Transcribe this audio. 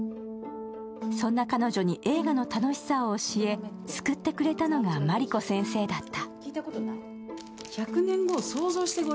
そんな彼女に映画の楽しさを教え救ってくれたのが茉莉子先生だった。